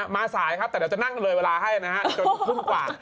มาสายครับแต่เดี๋ยวจะนั่งเลยเวลาให้นะครับ